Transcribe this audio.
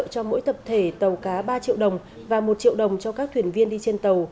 cho mỗi tập thể tàu cá ba triệu đồng và một triệu đồng cho các thuyền viên đi trên tàu